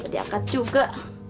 jadi aku juga